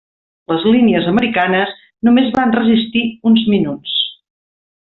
Les línies americanes només van resistir uns minuts.